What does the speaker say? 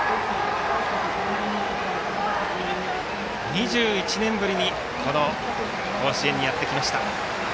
２１年ぶりにこの甲子園にやってきました。